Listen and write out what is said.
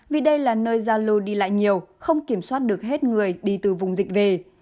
vì đây là nơi gia lô đi lại nhiều không kiểm soát được hết người đi từ vùng dịch về